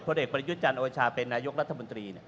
คนเอกปฏิยุชันโอชาเป็นนายกรัฐบดิ์น